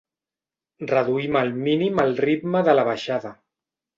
Reduïm al mínim el ritme de la baixada.